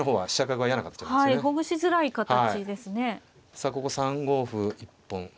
さあここ３五歩一本。